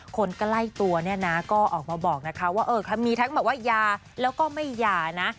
คนใกล้ตัวเนี่ยนะก็ออกมาบอกนะคะว่ามีทั้งแบบว่ายาแล้วก็ไม่ยานะ